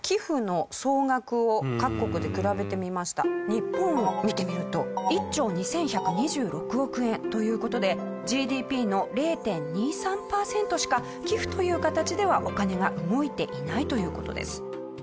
日本を見てみると１兆２１２６億円という事でＧＤＰの０．２３パーセントしか寄付という形ではお金が動いていないという事です。